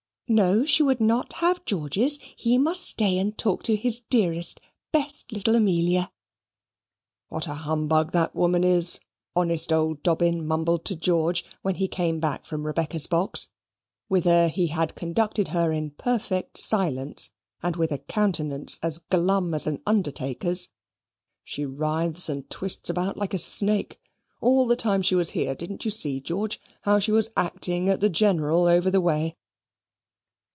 No, she would not have George's: he must stay and talk to his dearest, best, little Amelia. "What a humbug that woman is!" honest old Dobbin mumbled to George, when he came back from Rebecca's box, whither he had conducted her in perfect silence, and with a countenance as glum as an undertaker's. "She writhes and twists about like a snake. All the time she was here, didn't you see, George, how she was acting at the General over the way?"